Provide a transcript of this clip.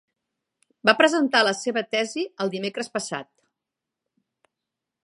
Va presentar la seva tesi el dimecres passat.